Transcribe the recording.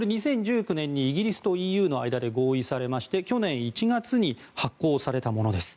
これ、２０１９年にイギリスとＥＵの間で合意されまして去年１月に発効されたものです。